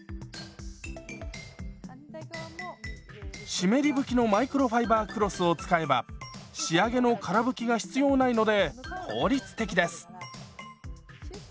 湿り拭きのマイクロファイバークロスを使えば仕上げのから拭きが必要ないので効率的です。